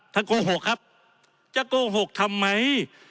โกหกครับจะโกหกทำไม